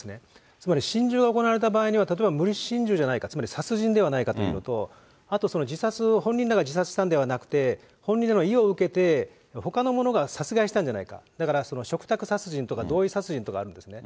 つまり心中が行われた場合には例えば無理心中じゃないか、つまり殺人ではないということと、あと本人らが自殺したんではなくて、本人らの意を受けて、ほかの者が殺害したんじゃないか、だから嘱託殺人とか同意殺人とかあるんですね。